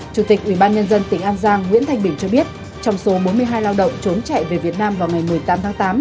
chủ tịch ubnd tỉnh an giang nguyễn thanh bình cho biết trong số bốn mươi hai lao động trốn chạy về việt nam vào ngày một mươi tám tháng tám